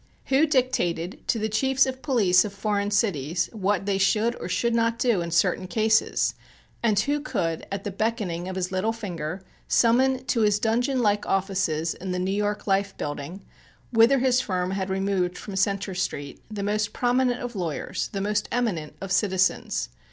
Who dictated to the chiefs of police of foreign cities what they should or should not do in certain cases; and who could, at the beckoning of his little finger, summon to his dungeon like offices in the New York Life Building, whither his firm had removed from Centre Street, the most prominent of lawyers, the most eminent of citizens?